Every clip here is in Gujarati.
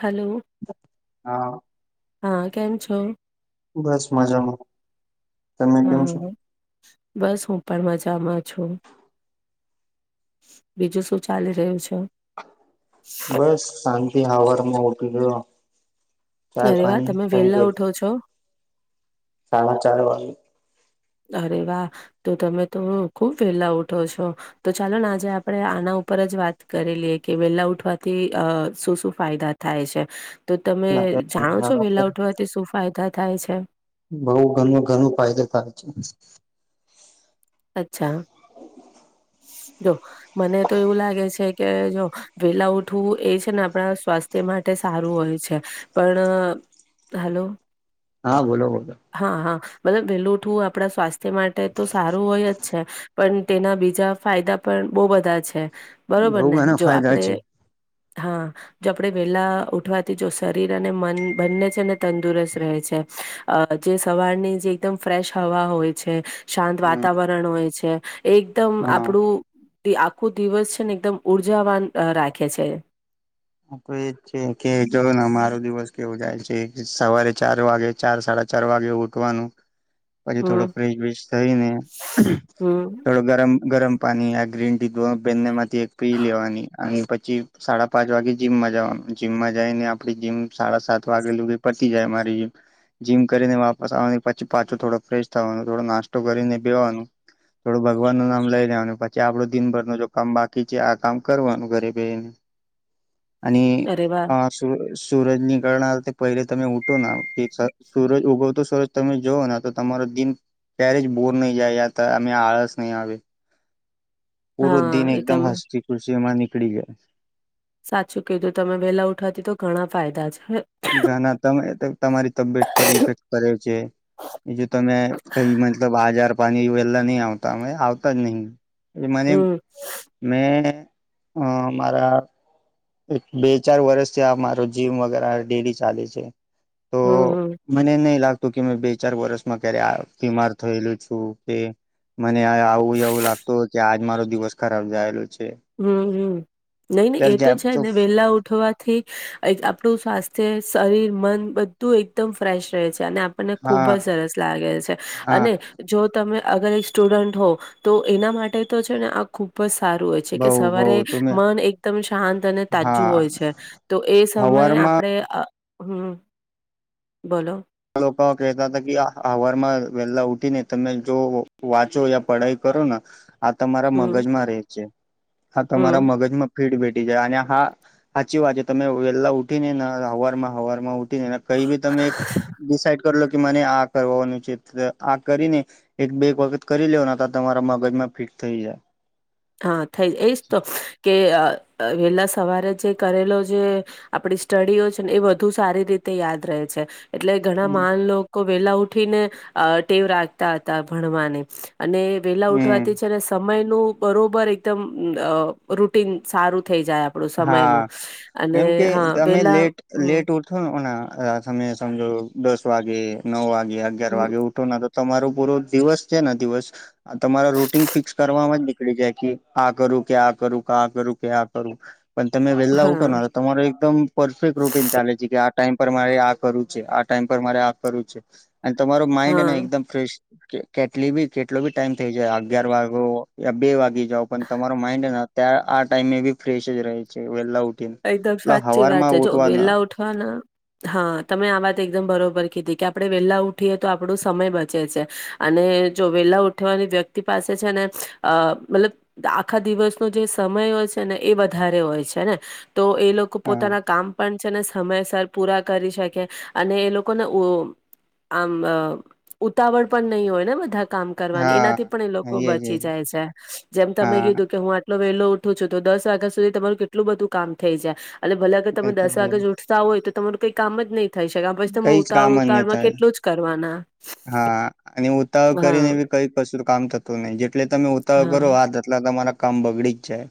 હલો. હા હા કેમ છો. બસ મજામાં. તમે કેમ હા છો બસ હું પણ મજામાં છું બીજું શું ચાલી રહ્યું છે. બસ શાંતિ હવાર. હ ઓકે ગ [inaudible] અરે વા તમે વેલા ઉઠો છો. સાર ચાર વાું. અરે વાહ તો તમે તો ખુબ વેલા ઉઠો છો તો ચાલો ને આજે આપણે આના ઉપર જ વાત કરી લઈએ કે વેલા ઉઠવાથી અ શું શું ફાયદા થાય છે. તો તમે જાણો છો વેલા ઉઠવાથી શું ફાયદા થાય છે. બઉ ઘણું ઘણું [inaudible] અચ્છા. [inaudible] મને તો એવું લાગે છે. કે જો વેલા ઉઠવું એ છે ને આપણા સ્વાસ્થ્ય માટે સારું હોય છે પણ હાલો હા બોલો બોલો. મતલબ વેલોુંઠું આપણા સ્વાસ્થ તે માટે તો સારું છે પણ તેના બીજા ફાયદા પણ બહ બધા છે બરોબર બઉ ને ઘણા જો ફાયદા આપડે છે હા જો આપણે વેલા ઉઠવાથી જો શરીર અને મન બંને છે અનેને તંદુરસ્ત રહે છે જે સવારની જે એકદમ ફ્રેશ હવા હોય છે શાંત હમ વાતતા વાતાવરણ હોય છે એકદમ હા આપણું આખો દિવસ છે ને એકદમ ઉર્જાવાન રાખે છે. હા તો એજ છે કે જો ને મારો દિવસ કેવો જાય છે સવારે ચાર વાગે ચાર સાડા ચાર વાગે ઉઠવાનું પછી થોડો હમ ફ્રિશ બિશ થઈ ને હમ થોડો ગરમ. ગરમ પાણી ગ્રીન ટી ધ બેને. એક પી લેવાની અને પછ. ી સાડા પાંચ વાગે, જ જીમ સાડા સાત વાગે પતી જાય મારી જીમ કરીને વાપસ આવવાની પછી પાછો થોડો ફેશ થવાનું થોડો નાસ્તો કરીને બેવાનું થોડું ભગવાન ન નામ લઈ લેવાનું પછી આપડો દિનભર ન કામ બાકી છે આ કામ કરવાનું ઘરે બેને. અને અરે વાહ અ સુ. સૂરજ નીકરણ પહેલે તમે ઉઠો સૂરજ ઉગવતો સૂરજ તમે જોઓ તો તમારો દિન ત્યારે જ બોર નહી જાય અમે આળસ નહીં આવે. પૂરો દિ હા એ એકદમ તમે હસ્તી ખુશ. જેમાં નીકળી ગયા. સાચું કીધું તમે વેલા ઉઠવાતી તો ઘણા ફાયદા છે. ઘણા તમે. તમારી તબિયત પર ઇફેક્ટ કરે છે એ જો તમે કઈ મતલબ આજાર. પાણી વહેલા નહી આવતા અ આવતા જ નહી. એ મને હમ મેં. હમ મારા એક હમ બે ચાર વર્ષથી આ મારો જીમ વગે ડેડી ચાલે છે તો હમ મને નહી લાગત તો કે મેં બે ચાર વરષમાં ક્યારે બીમાર થયેલું છું કે મને આવું એવું લાગતું કે આજ મારો દિવસ ખરાબ જયેલો હમ હમ નહી નને એ જ તો છે ને વેલા ઉઠવાથી આપણું સ્વાસ્થ્ય શરીર મન બધું એકદમ ફ્રેશ રહે છે ને આપણને ખુબ હા જ સરસ લાગે છે હા અને જો તમે અગર એક સ્ટુડન્ટ હો તો એના માટે તો છે ને આ ખુબ જ સારું હો છે બઉ કે બઉ સવારે તો મે મન એકદમ શાંત અને તાજું હા હોય છે તો એ સમયે હવારમાં આપણે હમ બોલો લોકો કહેતા હતા કે અવારમાં વેહેલા ઊઠી ને તમે જો વાંચો યા પઢાઈ કરો ને આ તમારા હમ મગજમાં રહે છે હા તમારા હમ મગજમાં ફીડ બેેટી જાય અને હા સાચી વાત છે તમે વેહેલા ઉઠીને ને હવાર માં હવારમાં ઉ કઈ ભી તમે એક ડિડ કર લો કે મને આ કરવાનું છે આ કરીને એક બે એક વખત કરી લેવ તો તમારા મગજમાં ફિટ થઈ જાય હા થઈ એજ તો કે વહેલા સવારે જે કરેલો જે આપડી સ્ટડીઓછે ને એ વધુ સારી રીતે યાદ રહે છે એટલે ઘણા માન લો વેલા ઉઠી ને ટેવ રાખતા હતા ભણવાને અને વેલા હમ ઉઠવાથી છે અને સમય [inaudible] બરોબર એકદમ રૂટન સારું થઈ જાય આપણું હા સમયનું અને એમ કે હા તમે વેલા લેટ હમ લેટ ઉઠથો નેના તમે સમજો દસ વાગે નવ વાગે અગિયાર હમ, વાગે ઉઠું ન તમારો પૂરો દિવસ છે ને દિવસ તમારા રૂટીન ફિક્સ કરવામાં જ નીકળી જાય કે આ કરું કે આ કરું કે આ કરું કે આ કરું પણ તમે વહેલા હા ઉઠોને તો તમારો એકદમ પરફેક્ટ રૂટીન ચાલે છે કે આ ટાઈમ પર મારે આ કરવું છે આ ટાઈમ પર મારે આ કરવું છે અને તમારો માઇન્ડ હા ને એકદમ ફ્રેશ કેટલી બી કેટલો બી ટાઈમ થઈ જાય અગિયાર વાગો યા બે વાગી જાઓ પણ તમારો માઇન્ડ ત્યારે આ ટાઈમે એ બી ફ્રેશ જ રહે વેલા ઉ એકદમ સાચી વાત છે જો વેલા ઉઠવા હા તમે આ વાત એકદમ બરોબર કીધી કે. આપણે વેલા ઉઠીએ તો આપણો સમય બચે છે અને જો વેલા ઉઠવાની વ્યક્તિ પાસે છે ને અ મતલબ આખા દિવસનો જે સમય હોય છે ને એ વધારે હોય છે ને. તો એ લોકો હા પોતાના કામ પણ છે ને સમયસર. પૂરા કરી શકે અને એ લોકોને આમ ઉતાવળ પણ નહીં હોય ને બધા. કામ કરવાની એનાથી પણ એ હા એજ લોકો બચી એજ જાય છે જેમ તમે હા કીધું કે હું. વેલો ઉઠું છું તો દસ વાગ્યા સુધી તમારું કેટલું બધું. કામ થઈ જાય. અનેટ ભલે અગર એ તમે તો દસ છે વાગે ઉઠતા હોય તો. તમાર કઈ કામ જ નહી. થઈ શકે આ પછી તમે કઈ જ કામ ઉતાવળ જ નહી ઉતાળમાં થાય કેટલું જ કરવાના. ઉતાળ હા કરીને બી કઈ કશું કામ થતું નહીિ જેટલે તમે ઉતાવળ હા કરો હાથટલા. મ કામ બગડી જાય.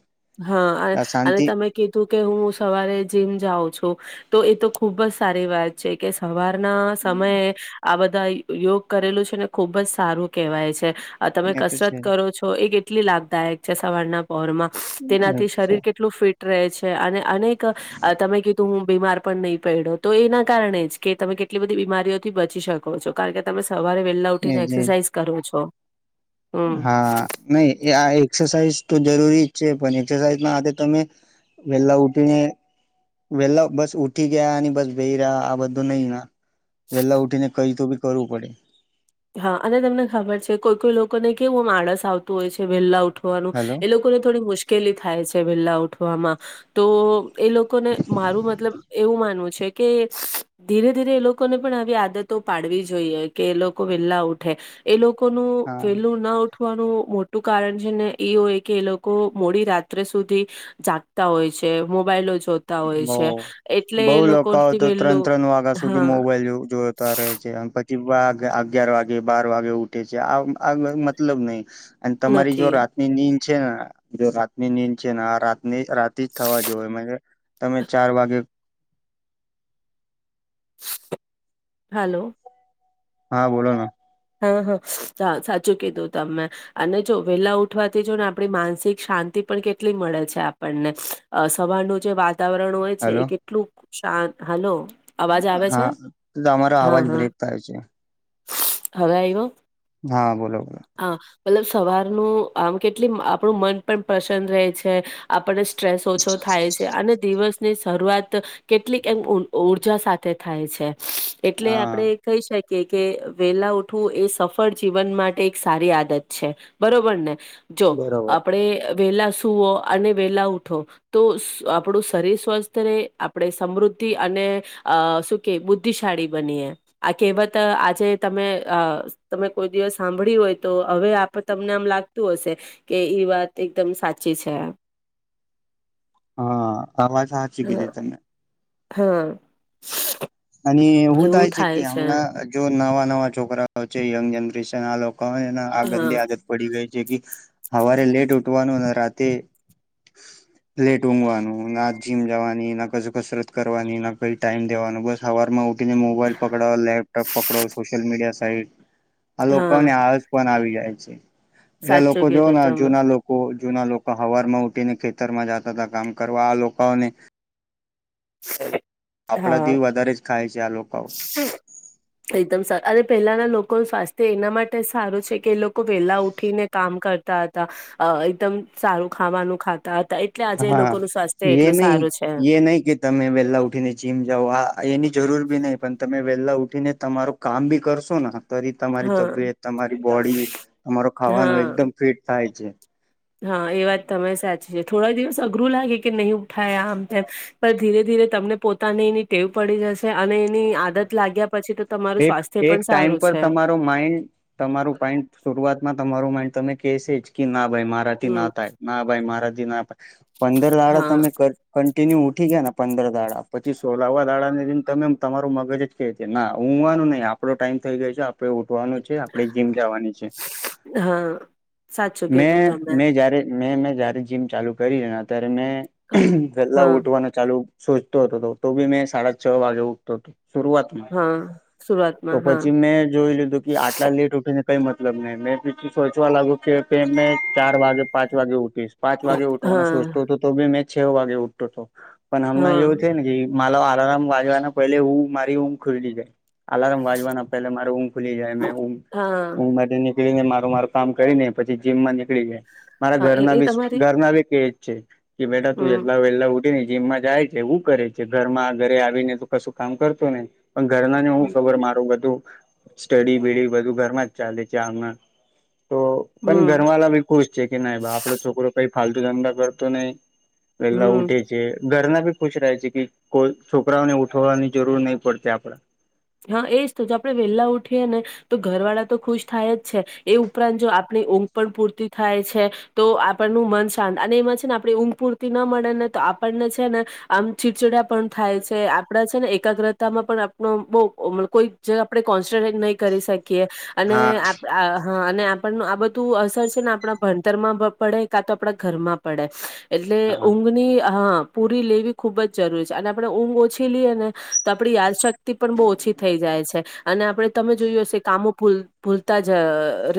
હા આ અને શાંતિ તમે કીધું કે હું સવારે જીમ જાઉં છું. તો એ તો ખુબ જ સારી વાત છે કે સવાર. ના સમયે આ બધા. યોગ કરેલું છે ને ખુબ જ સારું કહેવાય છે આ તમે એ તો કસરત છે કરો છો એ. કેટલી લાભદાયક છે સવારના પહર માં. તેનાથી શરીર અચ્છા કેટલું ફિટ. છે અને. અનેક તમે કીધું હું. બીમાર પણ નહી પડો તો એના કારણે જ કે તમે કેટલી બધી બીમારીઓથી બચી શકો છો કારણ કે તમે. સવારે વેલા ઉઠી ને એજ એજ એક્સરસાઇઝ કરો છો. હમ હા નહી આ એક્સરસાઇઝ તો જરૂરી. છે પણ એક્સરસાઇઝમાં તમે વેલા ઉઠીને વેલા બસ ઉઠી ગયા અને બસ વે રહ્યા આ બધું નહી ના વેલા ઉઠીને કઈ તો બી કરવું પડે. હા અને તમને ખબર છે કોઈ કોઈ લોકોને કેવું માળસ આવતું હોય છે વેલા ઉ. ઉઠવાનું હેલો એ લોકો ને થોડી મુશ્કેલી થાય છે વેલા ઉ. વામાં તો. એ લોકો ને મારું મતલબ એવું માનવું છે. કે ધીરે ધીરે એ લોકોને પણ આવી આદતો પાડવી જોઈએ કે લોકો. વેલા ઉઠે એ લોકો. કો હા વેલું ના. વાનું મોટું કારણ છે ને એ હોય કે એ લોકો મોડી રાત્રે સુધી જાગતા હોય છે મોબાઈલો. જોતા હોય છે બહ એટલે બઉ એ લોકો આવ લોકોથી તો ત્રણ વહેલું ત્રણ વાગ્યા સુધી હા મોબાઈલ જોતા રહે છે પછી. તે વાગ અગિયાર વાગે બાર વાગે ઉઠે છે. આ આ મતલબ નહી. અને તમારી જો નથી રાતની નીંદ છે ને જો રાતની નીંદ છે ને આ રાત ની રાતી જ થવા જોએ તમે ચાર વાગે હલો. હા બોલો ના. હા હા સા સાચું કીધું તમે. અને જો વેલા ઉઠવાથી જો ને આપણી માનસિક શાંતિ પણ કેટલી મળે છે આપણને. સવારનું જે વાત વાતાવરણ હોય છે હેલો એ કેટલું શાંત હલો અવાજ આવે છે? હા તમારો હા, અવાજ હા. બ્રેક થાય છે. હવે આઇવું. હા બોલો બોલો આ એ સવારનું આમ કેટલી આપણું મન પણ પ્રસન્ન રહે છે. આપને સ્ટ્રેસ ઓછો થાય છે. અને દિવસ ની શરૂઆત કેટલીક એમ ઉર ઉર્જા સાથે થાય છે. એટલે હા આપડે કહી શક કે કે વેલા ઉઠ કે એ સફળ જીવન માટે એક સારી આદત છે. બરોબર ને? જો બરોબર આપણે વેલા સુવો અને વેલા ઉઠો. તો આપણું શરીર સ્વસ્થ રહેે, આપણેે સમૃદ્ધિ અને શું કે બુદ્ધિશાળી બનીએ. આ કહેવત આજે તમે આ તમે કોઈ દિવસ સાંભળ્યું હોય તો, હવે આપ તમને આમ લાગતું હશે કે ઈ વાત એકદમ સાચી છે. હા અવાજ હાચી હા કીધી તમને હા. અને એવું થાય છે કે હમણા જો નવા નવા છોકરાઓ છે. યંગ જનરેશન આ લોક કોણ એના આ હા ગંદી આદત પડી ગઈ જે કે સવારે લેટ ઉઠવાનું ને રાતે લેટ ઊઘવાનું. ના જીમ જવાની, ના કજ કસરત કરવાની, ના કઈ ટાઈમ દેવાનું બસ હવારમાં ને મોબાઈલ પકડો, લેપટોપ પકડો, સોલ મીડિયા સાઈ આ લોકો હા ને આળસ પણ આવી જાય [inaudible] એલા લોકો સાચું જોવ કીધું તમે જૂના લોકો જૂના લોકો હવારમાં ઉઠીને ખેતરમાં જતા હતા કામ કરવા. આ લોકોને [inaudible] આપડા હા થી વધારે જ ખાય છ જાલકાઉ. એકદમ અને પહેલાના લોકોનું સ્વાસ્થ્ય એના માટે સારું છે કે એ લોકો વેલા ઉઠીને કામ કરતા હતા એકદમ સારું ખાવાનું ખાતા. હતા એટલે આજે એ હા લોકોનું સ્વાસ્થ્ય એ એટલું નહી સારું છે એ નહ કે તમે વહેલા ઉઠીને જીમ જાઓ આ એની જરૂર ભી નહીિ પણ તમે. વેલા ઉઠી ને તમારું કામ બી કરશો ને. તરી તમારી હા તબિયત તમારી બોડી તમારો ખાવાનું હા એકદમ ફિટ થાય છે. હા એ વાત તમે સાચી છે થોડા દિવસ અઘરું લાગે કે નહીં ઉઠાયા આમ તેમ પણ ધીરે ધીરે તમને પોતાને એની ટેવ પડી જશે અને એની આદત લાગ્યા. પછી તો તમારું એક સ્વાસ્થ્ય એક પણ ટાઈમ સારું પર છે તમારો માઇન્ડ તમારું પાઇન્ડ શરૂઆતમાં તમારું માઇન્ડ. તમે કહેસે જ કે ના. ભાઈ મારાથી હમ ના થાય ના ભાઈ મારાથી. જેના. પંદર વાડા હા તમે. તે ઉઠી ગયા ને પંદર દાડા પછી સોલાવા દાડા ને તમે તમારું મગજ કે છે ના. હું વાનું નઈ આપડો ટાઈમ થઈ ગયો છે આપડ. આપ જીમ જવાની છે હા સાચું મે કીધું તમે મે જારે મે. જયારે જીમ ચાલુ કરી ત્યારે. અનેં પહેલા હા ઉઠવાનું ચાલુ. સોચતો હતો તો બી મેં સાડા છ વાગે ઉઠતો હતોું. શરૂઆતમાં. હા તો સુરતમાં હા પછી મેં જોઈ લીધું કે આટલા લેટ ઉઠીને. કઈ મતલબ નહી મેં બીું સોચવા લાગુ કે મેં ચાર વાગે પાંચ વાગે ઉ. પાંચ વાગે ઉઠવાનો સોચતો હા હતો તો બે મે. છ વાગે ઉઠતો તો. પણ હમણા હા એવું છે ને કે. માલો આલારમ વાજવાના પહેલે હું મારી ઊં ખુલ્લી છે. અલાર્મ વાજવાના પે મારેમ ખુલી જાય મેમ હા હ. ને મારું માર કામ કરીને પછી જીમ માં. નીળ મારા હા એ ઘરના એ બી તમારી ઘરના બી કે. [inaudible] કે મેટા તું હમ એટલા વેલા. જેમમાં જાય છે એવું કરે છે ઘર માં ઘરે આવીને તો કશું કામ કરતો નહી. ઘરના ને હું હમ ખબર મારું બધું. સ્ટડી બીડી બધું ઘરમાં જ ચાલે છે આમણા. તો પણ હમ ઘરવાળા ભી ખુશ છે કે ના આપડો છોકરો કઈ. ફાાલતુ ધંદડા કરતો નહી. વેલા ઉઠે હમ. છે ઘરના ખુશ રહે છે કે કોઈ છોકરાઓને ઉઠવાની જરૂર નહી પડતી આપડે હા એજ તો જો આપણે વહેલા ઉઠીએ ને તો ઘરવાળા તો ખુશ થાય જ છે એ ઉપરાંત જો આપણી ઊંઘ પણ પૂરતી થાય છે તો આપણનું મન શાંત અને એમાં છે ને આપણી ઊંઘ પૂરતી ન મળે ને તો આપણને છે ને આમ ચીડછીડા પણ થાય છે આપણે છે ને એકાગ્રતામાં પણ આપણે બહુ બેકોઈ જગ આપણેે કોન્સન્ટ્રેટ નહીં કરી શકીએ [inaudible] અને હા આપણ આ બધું અસર છે ને આપણા ભણતરમાં પડે કા તો આપણા ઘરમાં પડે એટલે હા ઊંઘની હ પૂરી લેવી ખુબ જ જરૂરી છે અને આપણે ઊંઘ ઓછી લઈએ ને તો આપણી યાદશક્તિ પણ બહ ઓ ઓછી થઈ જાય છે અને આપણે તમે જોય હશે કામો ભૂલતા જ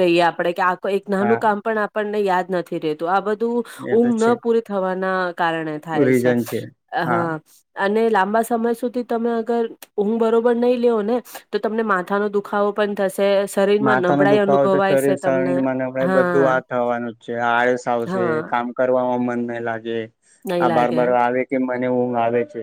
રહીએ આપણે કે આ એક નાનું હા કામ પણ આપ યાદ નથી રતું આ બધું એ તો ઊંઘ છે ન પૂરી થવાની ના કારણે થાય છે હા અને લાંબા સમય સુધી તમે અગર ઊંઘ બરો લે ને તો તમને માથા નો દુખાવો પણ થશે શરીરમાં માથા ન નબળાઈ દુખાવોય તો અનુભવાય શરીર છે તમને શરીર મને બધું હા વા થવાનું જ છે આળસ આવશે હા કામ કરવાવામાં મન મે લાગે નહી આ બાર લાગે બાર આવે કે વું આવે છે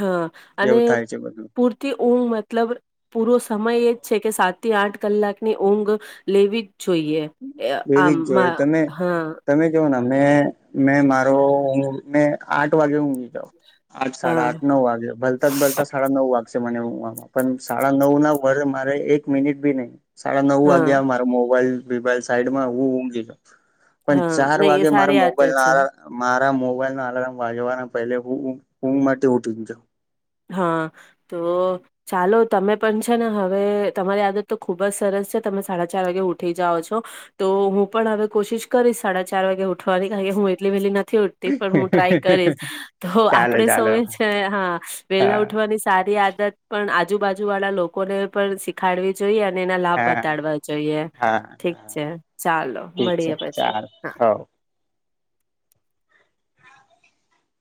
હા અને એવું થાય છે બધું પૂરથી ઊંઘ મતલબ પૂરો સમય એ જ છે કે સાત થી આઠ કલાકની ઊંઘ લેવી જોઈએ એ એવી જ જોય આમાં તમે હા તમે કેવો ને મે મારો હું મે આઠ વાગે હું હુઈ જાઉં. આઠ સાડા હા આઠ નવ વાગે ભલતા જ ભલતા સાડા નવ વાગશે તે મને ઊંઘવામાં પણ સાડા નવ ના વાગે મારે એક મિનિટ ભી નહીં. સાડા નવ હા વાગ્યા મારો મોબાઈલ ભીભાઈલ સાઈડમાં હું ઊંઘી જઉં. પણ હા ચાર નહી એ વાગે મારા સારી આદત મોબાઈલ ના છે. આલારામ માં મારા મોબાઈલના આલાર્મ વાગવાના પહેલે હું ઊંઘ ઊંઘમાંથી ઉઠી જ જઉં. હા તો ચાલો તમે પણ છે ને હવે તમારી આદત તો ખુબ જ સરસ છે. તમે સાડા ચાર વાગે ઉઠી જાઓ છો તો હું પણ હવે કોશિશ કરીશ સાડા ચાર વાગે ઉઠવાની કારણ કે હું એટલી વહેલી નથ નથી ઉઠતી પણ હું ટ્રાય કરીશ તો ચાલો આપણે ચાલો સૌએ છે ને હા વેલા હા ઊઠવાની સા સારી આદત પણ આજુબાજુ વાળા લોકોને પણ શીખાડવી જ જોઈએ અને એના લાભ હા બતાડવા જોઈએ. હા ઠીક છે ચાલો ઠીક છે મળીએ પછી ચાલ હા હવ